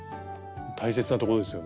大切なところですよね。